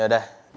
ya udah yuk deh